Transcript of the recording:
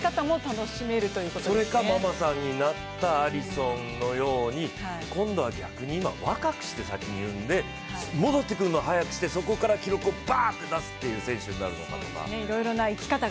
それか、ママさんになったアリソンのように今度は逆に今若くして、先に産んで、戻ってくるのを早くしてそこから記録をバーッて出す選手になるかとか。